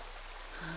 はあ。